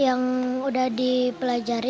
yang sudah dipelajari